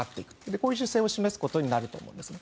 こういう姿勢を示すことになると思います。